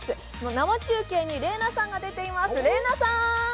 生中継に麗菜さんが出ています。